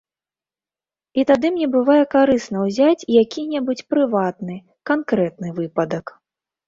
І тады мне бывае карысна ўзяць які-небудзь прыватны, канкрэтны выпадак.